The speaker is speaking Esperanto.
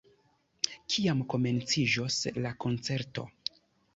Kiam komenciĝos la koncerto?